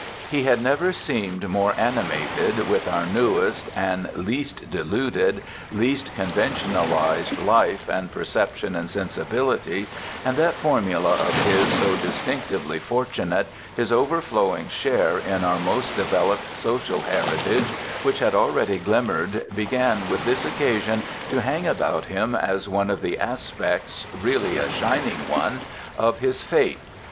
He had never seemed more animated with our newest and least deluded, least conventionalised life and perception and sensibility, and that formula of his so distinctively fortunate, his overflowing share in our most developed social heritage which had already glimmered, began with this occasion to hang about him as one of the aspects, really a shining one, of his fate.